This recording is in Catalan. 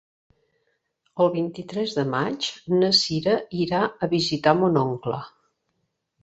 El vint-i-tres de maig na Sira irà a visitar mon oncle.